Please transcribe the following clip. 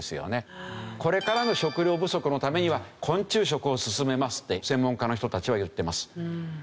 これからの食料不足のためには昆虫食を勧めますって専門家の人たちは言ってます。